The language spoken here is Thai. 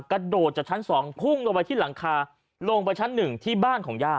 กระโดดจากชั้น๒พุ่งลงไปที่หลังคาลงไปชั้น๑ที่บ้านของย่า